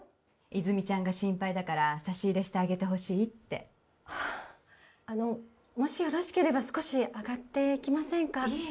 泉ちゃんが心配だから差し入れしてあげてほしいってあのもしよろしければ少し上がっていきませんか？